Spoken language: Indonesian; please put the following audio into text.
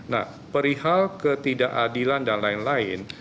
nah perihal ketidakadilan dan lain lain